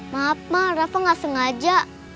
maaf mah rafa gak sengaja